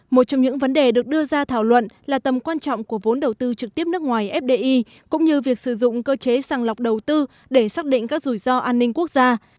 một trong những vấn đề được đưa ra thảo luận là tầm quan trọng của vốn đầu tư trực tiếp nước ngoài fdi cũng như việc sử dụng cơ chế sàng lọc đầu tư để xác định các rủi ro an ninh quốc gia